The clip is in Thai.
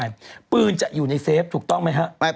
ร้านกายของทั่วไปปืนจะอยู่ในเซฟถูกต้องไหมครับ